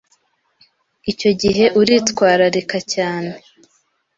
Icyo gihe uritwararika cyane